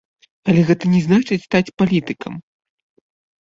Але гэта не значыць стаць палітыкам.